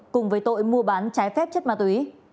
cùng với tội mua bán trái phép chất ma túy